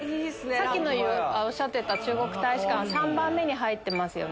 さっきおっしゃってた中国大使館は３番目に入ってますよね